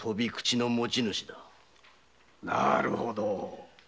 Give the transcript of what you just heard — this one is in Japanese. なるほど。